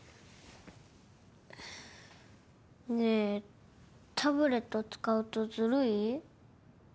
ねえタブレット使うとずるい？